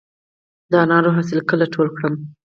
د انارو حاصل کله ټول کړم؟